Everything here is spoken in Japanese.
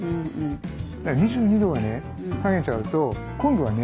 ２２度まで下げちゃうと今度はね